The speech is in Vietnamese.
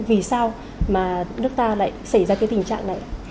vì sao mà nước ta lại xảy ra cái tình trạng này